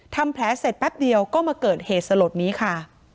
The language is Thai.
ทำแผลเสร็จแป๊บเดียวก็มาเกิดเหตุสลดนี้ค่ะ